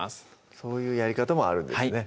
そういうやり方もあるんですね